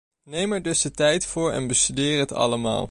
Neem er dus de tijd voor en bestudeer het allemaal.